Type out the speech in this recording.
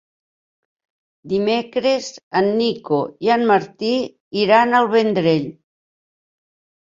Dimecres en Nico i en Martí iran al Vendrell.